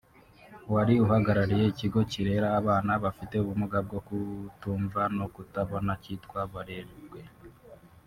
wari uhagarariye ikigo kirera abana bafite ubumuga bwo kutumva no kutabona cyitwa Barerwe